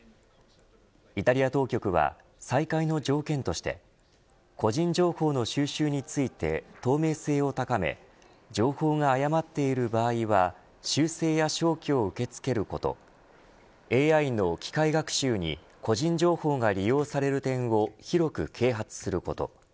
イタリア当局は再開の条件として個人情報の収集について透明性を高め情報が誤っている場合は修正や消去を受け付けることＡＩの機械学習に個人情報が利用される点を広く啓発すること。